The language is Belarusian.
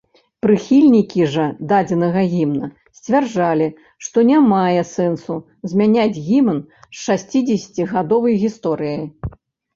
Прыхільнікі жа дадзенага гімна сцвярджалі, што не мае сэнсу змяняць гімн з шасцідзесяцігадовай гісторыяй.